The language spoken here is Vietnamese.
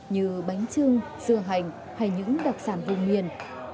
như bánh trương dưa hành hay những đặc sản vô nguyên